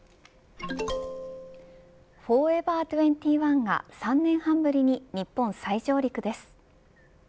フォーエバー２１が３年半ぶりに日本再上陸です。